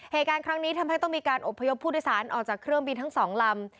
เหตุการณ์ครั้งนี้ทำให้ต้องมีการอบพยพผู้โดยสารออกจากเครื่องบินทั้งสองลำ